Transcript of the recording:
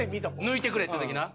抜いてくれって時な。